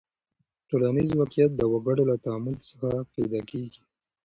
ټولنیز واقعیت د وګړو له تعامل څخه پیدا کیږي.